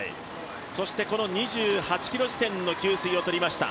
そして２８ｋｍ地点の給水を取りました。